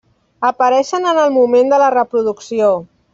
Apareixen en el moment de la reproducció.